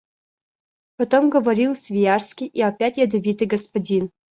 Потом говорил Свияжский и опять ядовитый господин.